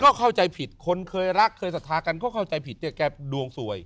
ก็เข้าใจผิดคนเคยรักเคยศรัทธากันก็เข้าใจผิดเนี่ยแกดวงสวย